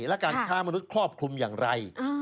และการค้ามนุษย์ครอบคลุมอย่างไร